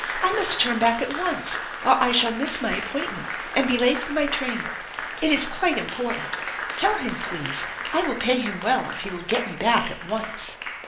I must turn back at once or I shall miss my appointment and be late for my train. It is quite important. Tell him, please, I will pay him well if he will get me back at once."